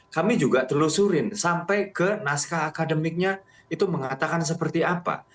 kami juga telusurin sampai ke naskah akademiknya itu mengatakan seperti apa